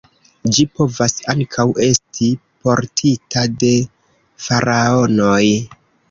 Ĝi povas ankaŭ esti portita de faraonoj.